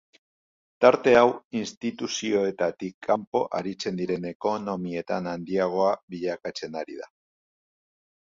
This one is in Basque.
Tarte hau instituzioetatik kanpo aritzen diren ekonomietan handiagoa bilakatzen ari da.